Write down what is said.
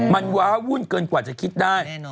มันว้าวุ่นเกินกว่าจะคิดได้